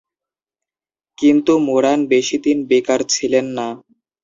কিন্তু, মোরান বেশি দিন বেকার ছিলেন না।